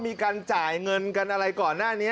มีการจ่ายเงินกันอะไรก่อนหน้านี้